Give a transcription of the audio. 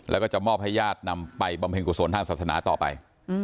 แล้วก็จะมอบให้ญาตินำไปบำเพ็ญกุศลทางศาสนาต่อไป